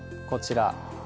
こちら。